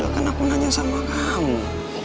ya udah kan aku nanya sama kamu